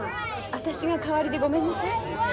私が代わりでごめんなさい。